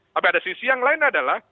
tapi ada sisi yang lain adalah